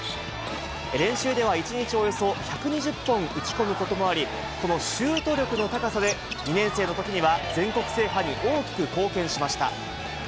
練習では、１日およそ１２０本打ち込むこともあり、このシュート力の高さで、２年生のときには全国制覇に大きく貢献しました。